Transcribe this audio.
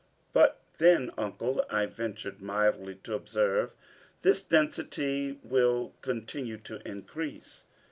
"But then, Uncle," I ventured mildly to observe, "this density will continue to increase."